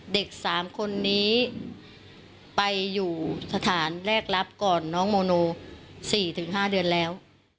เด็ก๓คนนี้ไปอยู่สถานแรกรับก่อนน้องโมโน๔๕เดือนแล้ว